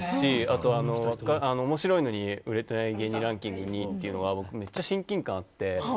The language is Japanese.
あと、面白いのに売れてない芸人ランキング２位っていうのは僕めっちゃ親近感あって。